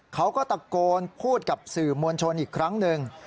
เขาก็ตะโกนพูดกับสื่อมวลชนอีกครั้งหนึ่ง